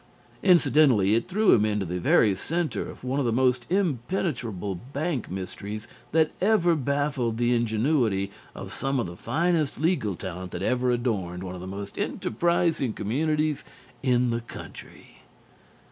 Incidentally it threw him into the very centre of one of the most impenetrable bank mysteries that ever baffled the ingenuity of some of the finest legal talent that ever adorned one of the most enterprising communities in the country.